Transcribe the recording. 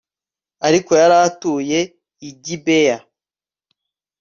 ariko yari atuye i gibeya